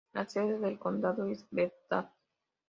La sede del condado es Bethany.